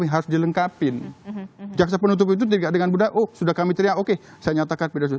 harus dilengkapi jaksa penutup itu tidak dengan pega oh sudah kami ternyata oke saya nyatakan pedas itu